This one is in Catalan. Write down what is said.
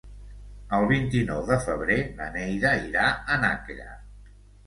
El vint-i-nou de febrer na Neida irà a Nàquera.